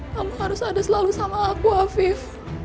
kamu harus ada selalu sama aku afif